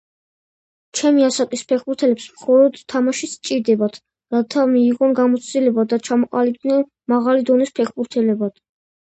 ჩემი ასაკის ფეხბურთელებს მხოლოდ თამაში სჭირდებათ, რათა მიიღონ გამოცდილება და ჩამოყალიბდნენ მაღალი დონის ფეხბურთელებად.